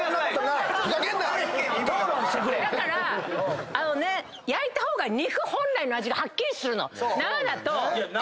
だから焼いた方が肉本来の味がはっきりするの。